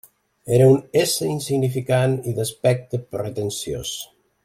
Era un ésser insignificant i d'aspecte pretensiós.